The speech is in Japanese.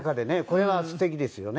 これはすてきですよね。